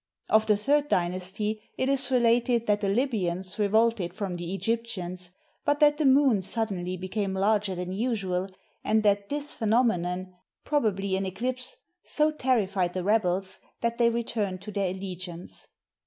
Of the Third Dynasty it is related that the Libyans revolted from the Egyptians, but that the moon suddenly became larger than usual, and that this phenomenon — probably an eclipse — so terrified the rebels that they returned to their allegiance.